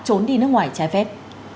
trốn đi nước ngoài trái phép